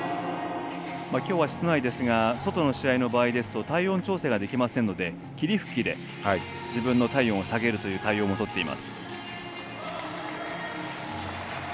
きょうは室内ですが外の試合の場合ですと体温調整ができませんので霧吹きで自分の体温を下げるという対応もとっています。